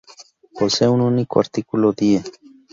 Posee un único artículo: "die".